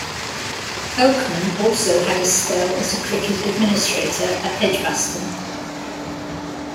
Oakman also had a spell as a cricket administrator at Edgbaston.